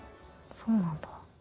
そうなんだ。